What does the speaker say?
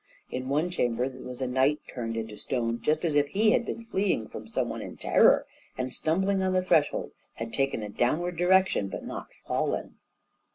In one chamber was a knight turned into stone, just as if he had been fleeing from some one in terror, and, stumbling on the threshold, had taken a downward direction, but not fallen.